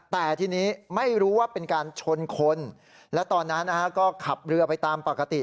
แต่ทีนี้ไม่รู้ว่าเป็นการชนคนและตอนนั้นก็ขับเรือไปตามปกติ